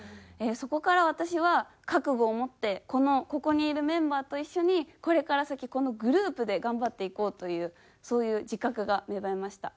そこから私は覚悟を持ってこのここにいるメンバーと一緒にこれから先このグループで頑張っていこうというそういう自覚が芽生えました。